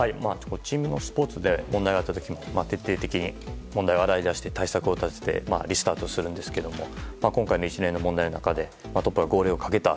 チームスポーツで問題があった時も徹底的に問題を洗い出して対策を立ててリスタートするんですけども今回の一連の問題の中でトップが号令をかけた。